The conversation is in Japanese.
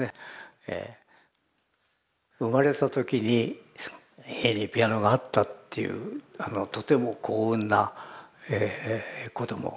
生まれた時に家にピアノがあったっていうとても幸運な子供だったわけです。